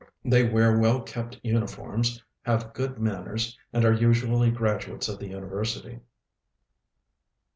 They wear well kept uniforms, have good manners, and are usually graduates of the university.